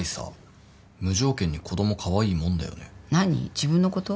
自分のこと。